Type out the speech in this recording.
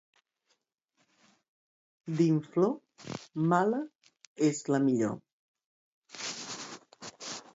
D'inflor, mala és la millor.